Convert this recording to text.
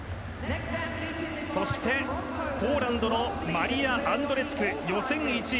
ポーランドマリア・アンドレチク予選１位。